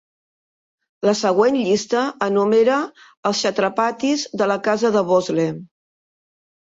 La següent llista enumera els chhatrapatis de la Casa de Bhosle.